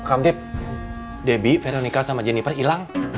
pak kamtip debbie veronica sama jennifer ilang